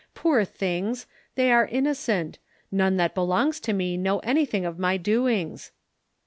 Poor things! they are innocent. None that belongs to me know anything of my doings."